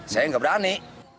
saya tidak berani